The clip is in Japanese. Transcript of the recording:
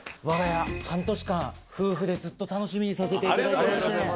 わが家半年間夫婦でずっと楽しみにさせていただいて。